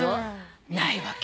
ないわけ。